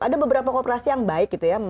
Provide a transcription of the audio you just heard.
ada beberapa kooperasi yang baik gitu ya